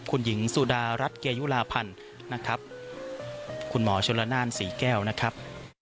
คุณหญิงสุดารัฐเกยุลาพันธ์นะครับคุณหมอชนละนานศรีแก้วนะครับ